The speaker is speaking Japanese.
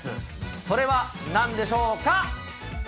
それはなんでしょうか。